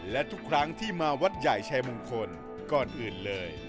และทุกครั้งที่มาวัดใหญ่ชายมงคลก่อนอื่นเลย